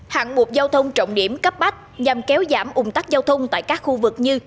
hạng mục giao thông trọng điểm cấp bách nhằm kéo giảm ủng tắc giao thông tại các khu vực như